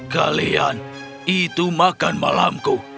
kalian itu makan malamku